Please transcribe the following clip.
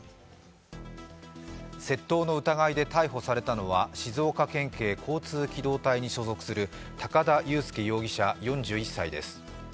窃盗の疑いで逮捕されたのは静岡県警交通機動隊に所属する、高田雄介容疑者４１歳です。